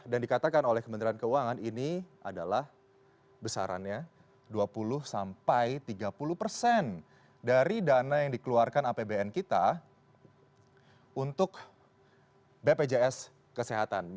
dan dikatakan oleh kebenaran keuangan ini adalah besarannya dua puluh sampai tiga puluh persen dari dana yang dikeluarkan apbn kita untuk bpjs kesehatan